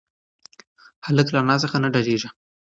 هلک له انا څخه نه ډارېږي.